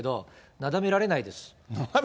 なだめられないですよね。